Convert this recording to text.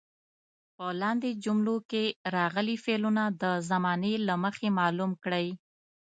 په لاندې جملو کې راغلي فعلونه د زمانې له مخې معلوم کړئ.